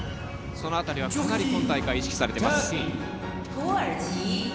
その辺りはかなり、今大会意識されています。